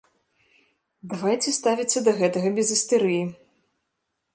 Давайце ставіцца да гэтага без істэрыі.